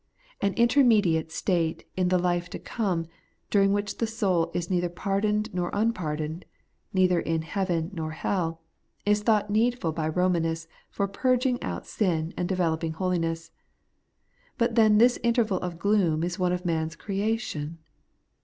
An intermediate state in the life to come, during which the soul is neither pardoned nor unpardoned, neither in heaven nor heU, is thought needful by Eomanists for puiging out sin and developing holiness; but then this interval of gloom is one of man's creation.